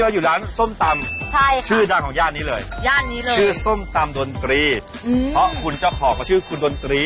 ไม่อยู่ร้านส้มตำชื่อดังของย่านนี้เลยชื่อส้มตำดนตรีคุณเจ้าของก็ชื่อคุณดนตรี